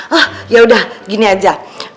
hah yaudah gini aja